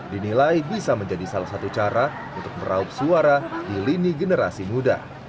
dinilai bisa menjadi salah satu cara untuk meraup suara di lini generasi muda